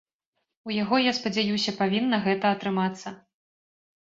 У яго, я спадзяюся, павінна гэта атрымацца.